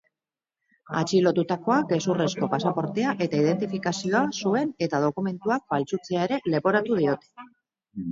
Atxilotutakoak gezurrezko pasaportea eta identifikazioa zuen eta dokumentuak faltsutzea ere leporatu diote.